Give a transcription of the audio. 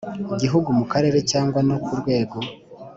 Gihugu mu karere cyangwa no ku rwego